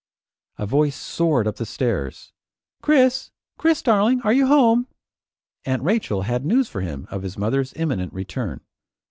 A voice soared up the stairs. "Chris! Chris darling? Are you home?" Aunt Rachel had news for him of his mother's imminent return.